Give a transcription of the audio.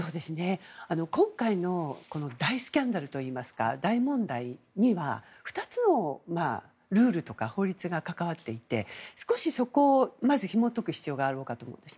今回の大スキャンダルといいますか大問題には、２つのルールとか法律が関わっていて少し、そこをひも解く必要があるかと思います。